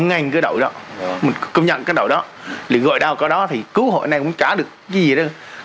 ngang cái đầu đó mình công nhận cái đầu đó thì gọi đâu có đó thì cứu hội này cũng trả được cái gì đó